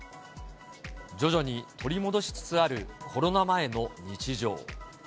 徐々に取り戻しつつある、コロナ前の日常。